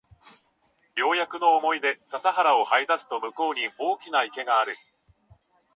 ようやくの思いで笹原を這い出すと向こうに大きな池がある